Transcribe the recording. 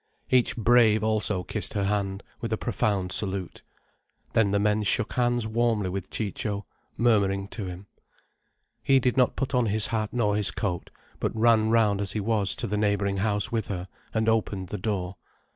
Each brave also kissed her hand, with a profound salute. Then the men shook hands warmly with Ciccio, murmuring to him. He did not put on his hat nor his coat, but ran round as he was to the neighbouring house with her, and opened the door.